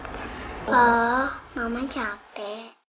oh mama capek